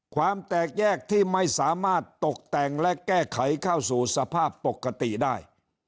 ความแตกแยกที่ไม่สามารถตกแต่งและแก้ไขเข้าสู่สภาพปกติได้